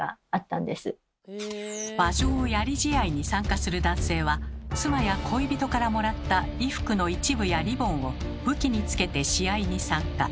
馬上やり試合に参加する男性は妻や恋人からもらった衣服の一部やリボンを武器につけて試合に参加。